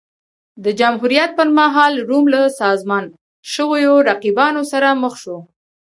د جمهوریت پرمهال روم له سازمان شویو رقیبانو سره مخ شو